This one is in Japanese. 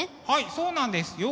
はいそうなんです